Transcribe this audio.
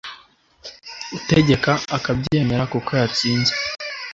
utegekwa akabyemera kuko yatsinzwe.